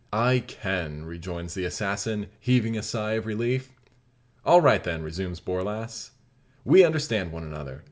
"I can," rejoins the assassin, heaving a sigh of relief. "All right, then," resumes Borlasse; "we understand one another.